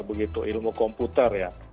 begitu ilmu komputer ya